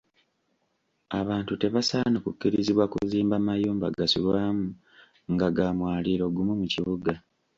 Abantu tebasaana kukkirizibwa kuzimba mayumba gasulwamu nga ga mwaliiro gumu mu kibuga.